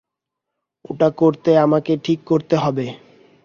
ওটা করতে আমাকে ঠিক করতে হবে?